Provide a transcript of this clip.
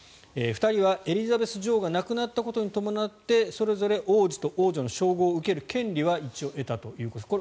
２人はエリザベス女王が亡くなったことに伴ってそれぞれ王子と王女の称号を受ける権利は一応、得たということです。